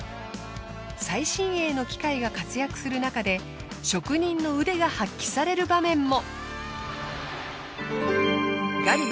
最新鋭の機械が活躍するなかで職人の腕が発揮される場面も。